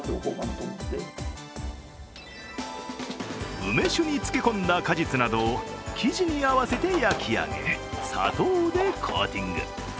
梅酒に漬け込んだ果実などを生地に合わせて焼き上げ砂糖でコーティング。